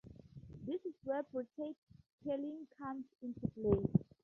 This is where Bitrate Peeling comes into play.